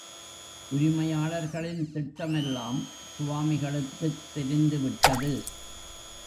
உரிமையாளர்களின் திட்டமெல்லாம் சுவாமிகளுக்குத் தெரிந்துவிட்டது.